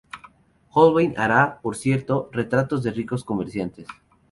Holbein hará, por cierto, retratos de ricos comerciantes.